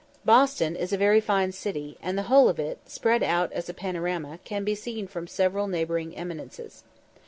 Boston is a very fine city, and the whole of it, spread out as a panorama, can be seen from several neighbouring eminences.